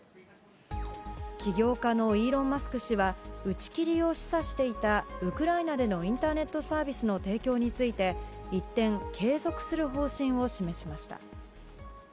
起業家のイーロン・マスク氏は、打ち切りを示唆していたウクライナでのインターネットサービスの提供について、一転、継続する方針を示しました。